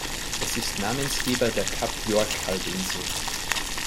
Es ist Namensgeber der Kap-York-Halbinsel.